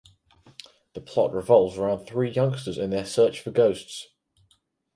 The plot revolves around three youngsters and their search for ghosts.